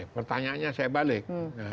pertanyaannya saya balik